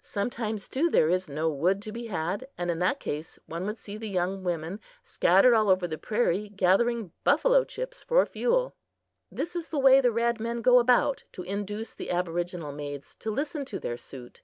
Sometimes, too, there is no wood to be had; and in that case, one would see the young women scattered all over the prairie, gathering buffalo chips for fuel. This is the way the red men go about to induce the aboriginal maids to listen to their suit.